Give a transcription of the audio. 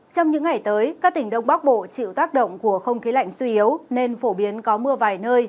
trong những ngày tới các tỉnh đông bắc bộ chịu tác động của không khí lạnh suy yếu nên phổ biến có mưa vài nơi